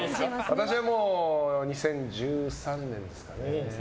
私は２０１３年ですかね